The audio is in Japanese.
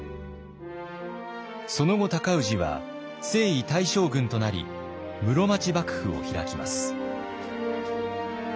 その後尊氏は征夷大将軍となり室町幕府を開きます。